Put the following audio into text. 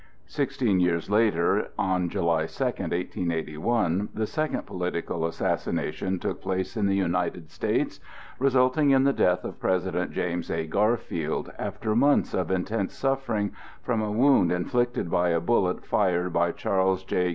Sixteen years later, on July 2, 1881, the second political assassination took place in the United States, resulting in the death of President James A. Garfield, after months of intense suffering from a wound inflicted by a bullet fired by Charles J.